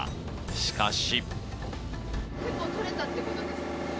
しかし。